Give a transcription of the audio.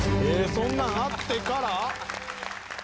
そんなんあってから？